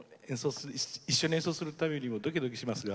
一緒に演奏する度にもうドキドキしますが。